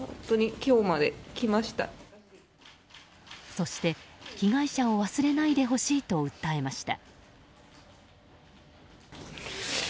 そして被害者を忘れないでほしいと訴えました。